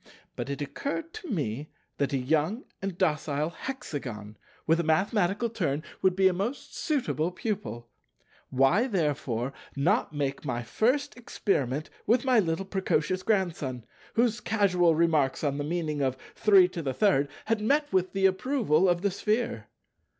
But it occurred to me that a young and docile Hexagon, with a mathematical turn, would be a most suitable pupil. Why therefore not make my first experiment with my little precocious Grandson, whose casual remarks on the meaning of 33 had met with the approval of the Sphere?